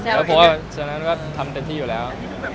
เพราะว่าฉะนั้นก็ทำเต็มที่อยู่แล้ว